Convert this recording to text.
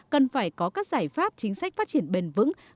cần phải có các giải pháp chính sách phát triển bền vững